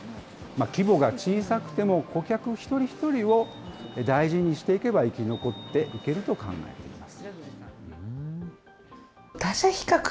規模が小さくても顧客一人一人を大事にしていけば、生き残っていけると考えています。